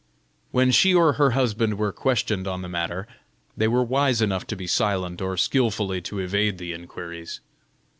When she or her husband were questioned on the matter, they were wise enough to be silent or skilfully to evade the inquiries.